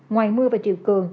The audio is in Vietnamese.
ngoài mưa và triều cường